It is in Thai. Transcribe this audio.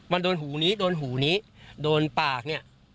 มันโดนหูนี้โดนหูนี้โดนปากเนี่ย